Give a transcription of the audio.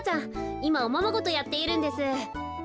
いまおままごとやっているんです。